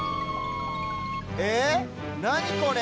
えなにこれ？